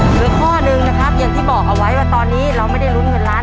หรือข้อหนึ่งนะครับอย่างที่บอกเอาไว้ว่าตอนนี้เราไม่ได้ลุ้นเงินล้าน